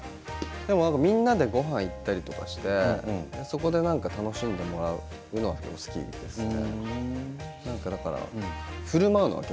みんなでごはんに行ったりして、そこで何か楽しんでもらうのが好きですね。